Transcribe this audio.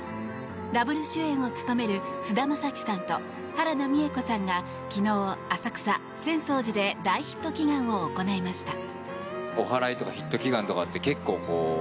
ダブル主演を務める菅田将暉さんと原田美枝子さんが昨日、浅草・浅草寺で大ヒット祈願を行いました。